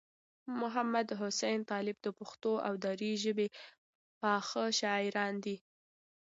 محمدحسین طالب د پښتو او دري ژبې پاخه شاعران دي.